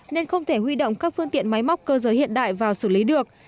nên không thể huy động các phương tiện máy móc cơ giới hiện đại vào xử lý được